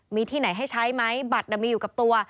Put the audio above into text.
มีที่ไหนให้ใช้ไหมบัตรมีอยู่กับตัว